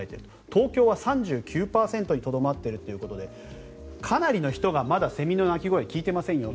東京は３９％にとどまっているということでかなりの人がまだセミの鳴き声を聞いてませんよ